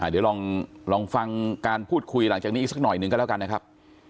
เดี๋ยวลองฟังการพูดคุยหลังจากนี้อีกสักหน่อยหนึ่งก็แล้วกันนะครับ